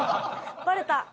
バレた。